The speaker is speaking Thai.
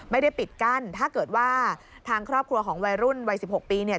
ไม่ได้ปิดกั้นถ้าเกิดว่าทางครอบครัวของวัยรุ่นวัย๑๖ปีเนี่ย